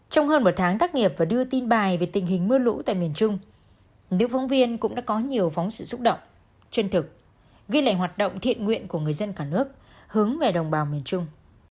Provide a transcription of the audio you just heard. trong hơn một tháng tác nghiệp và đưa tin bài về tình hình mưa lũ tại miền trung nữ phóng viên cũng đã có nhiều phóng sự xúc động chân thực ghi lại hoạt động thiện nguyện của người dân cả nước hướng về đồng bào miền trung